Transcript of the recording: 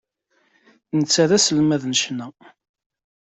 Netta d aselmad n ccna.